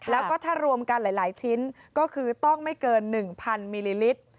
แล้วก็ถ้ารวมกันหลายชิ้นก็คือต้องไม่เกิน๑๐๐มิลลิลิตร